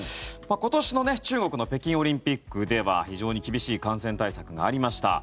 今年の中国の北京オリンピックでは非常に厳しい感染対策がありました。